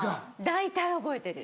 大体覚えてる。